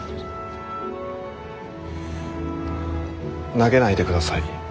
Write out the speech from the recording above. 投げないでください。